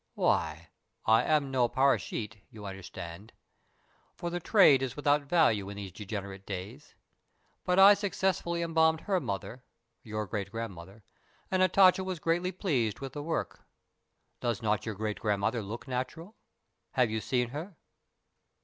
"Why, I am no paraschites, you understand, for the trade is without value in these degenerate days. But I successfully embalmed her mother your great grandmother and Hatatcha was greatly pleased with the work. Does not your great grandmother look natural? Have you seen her?"